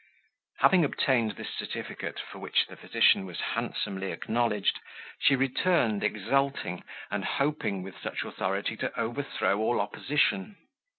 Having obtained this certificate, for which the physician was handsomely acknowledged, she returned, exalting, and hoping, with such authority, to overthrow all opposition.